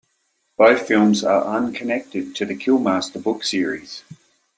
Both films are unconnected to the Killmaster book series.